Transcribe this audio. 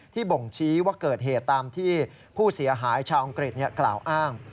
บ่งชี้ว่าเกิดเหตุตามที่ผู้เสียหายชาวอังกฤษกล่าวอ้าง